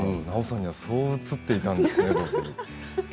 奈緒さんにはそう映っていたんですね、僕。